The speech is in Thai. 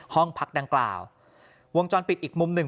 ห้องพักดังกล่าววงจรปิดอีกมุมหนึ่ง